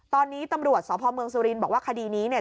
ตอนนี้ตำรวจสพเมืองสุรินทร์บอกว่าคดีนี้เนี่ย